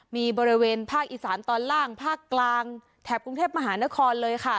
มีบริเวณภาคอีสานตอนล่างภาคกลางแถบกรุงเทพมหานครเลยค่ะ